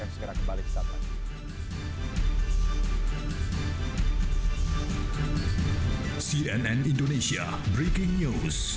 saya akan segera kembali bersama